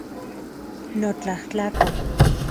Notlajtlakol